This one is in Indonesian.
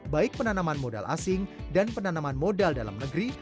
baik penanaman modal asing dan penanaman modal dalam negeri